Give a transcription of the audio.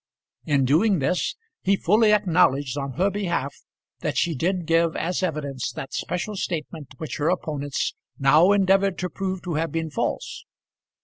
In doing this, he fully acknowledged on her behalf that she did give as evidence that special statement which her opponents now endeavoured to prove to have been false.